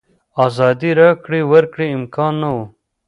ازادې راکړې ورکړې امکان نه و.